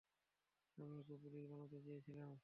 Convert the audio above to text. আমি ওকে পুলিশ বানাতে চেয়েছিলাম।